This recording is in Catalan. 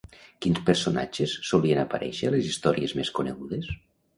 Quins personatges solien aparèixer a les històries més conegudes?